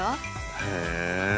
へえ。